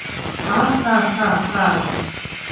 А-ха-ха-ха!